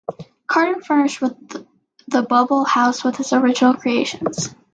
Cardin furnished the Bubble House with his original creations.